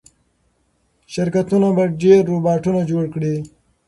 شرکتونه به ډېر روباټونه جوړ کړي.